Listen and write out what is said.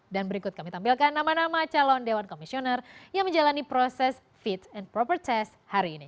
dan berikut kami tampilkan nama nama calon dewan komisioner yang menjalani proses fit and proper test hari ini